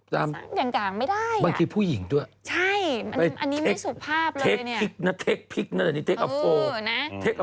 ตามอย่างกลางไม่ได้อ่ะ